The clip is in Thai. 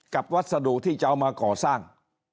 วัสดุที่จะเอามาก่อสร้าง